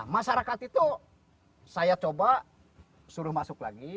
masyarakat itu saya coba suruh masuk lagi